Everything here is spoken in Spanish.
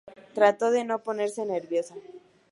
Trato de no ponerme nerviosa.